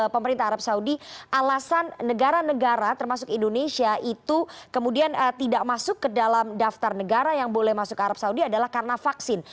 pemerintah arab saudi alasan negara negara termasuk indonesia itu kemudian tidak masuk ke dalam daftar negara yang boleh masuk ke arab saudi adalah karena vaksin